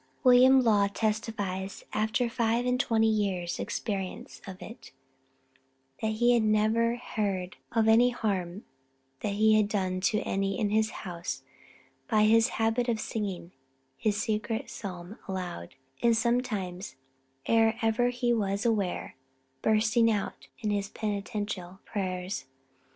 William Law testifies, after five and twenty years' experience of it, that he never heard of any harm that he had done to any in his house by his habit of singing his secret psalms aloud, and sometimes, ere ever he was aware, bursting out in his penitential prayers.